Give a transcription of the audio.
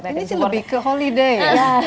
ini sih lebih ke holiday